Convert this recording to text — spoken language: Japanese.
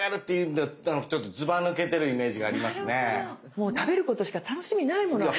もう食べることしか楽しみないもの私。